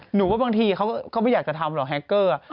หนูว่าบางทีเขาก็ไม่อยากจะทำหรอกแฮคเกอร์